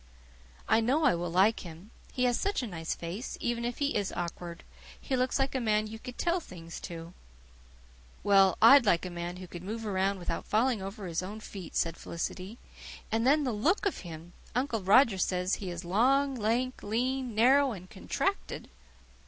I know I will like him. He has such a nice face, even if he is awkward. He looks like a man you could tell things to." "Well, I'd like a man who could move around without falling over his own feet," said Felicity. "And then the look of him! Uncle Roger says he is long, lank, lean, narrow, and contracted."